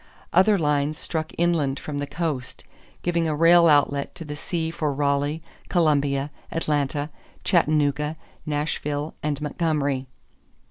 Other lines struck inland from the coast, giving a rail outlet to the sea for Raleigh, Columbia, Atlanta, Chattanooga, Nashville, and Montgomery.